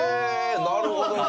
なるほどね。